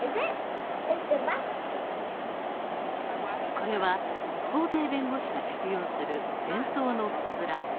これは、法廷弁護士が着用する伝統のかつら。